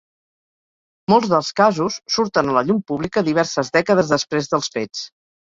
Molts dels casos surten a la llum pública diverses dècades després dels fets.